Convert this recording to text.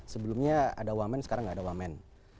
sebelumnya ada wamen sekarang nggak ada wamen